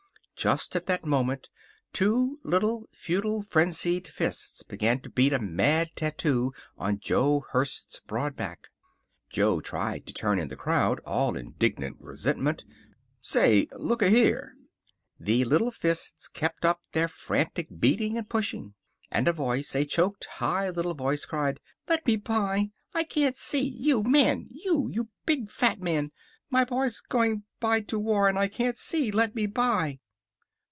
Just at that moment two little, futile, frenzied fists began to beat a mad tattoo on Jo Hertz's broad back. Jo tried to turn in the crowd, all indignant resentment. "Say, looka here!" The little fists kept up their frantic beating and pushing. And a voice a choked, high little voice cried, "Let me by! I can't see! You MAN, you! You big fat man! My boy's going by to war and I can't see! Let me by!"